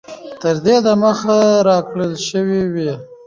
تر دې د مخه را كړل شوي وې